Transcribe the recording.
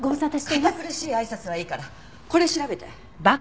堅苦しい挨拶はいいからこれ調べて。